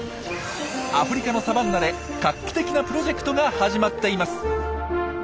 アフリカのサバンナで画期的なプロジェクトが始まっています。